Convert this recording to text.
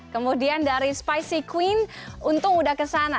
kemudian dari spicy queen untung udah kesana